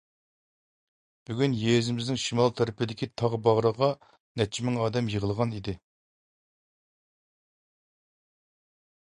بۈگۈن يېزىمىزنىڭ شىمال تەرىپىدىكى تاغ باغرىغا نەچچە مىڭ ئادەم يىغىلغان ئىدى.